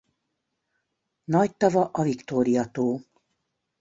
Nagy tava a Viktória-tó.